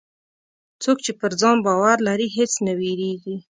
څوک چې پر ځان باور لري، هېڅ نه وېرېږي.